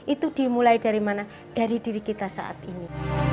itu dimulai dari mana dari diri kita saat ini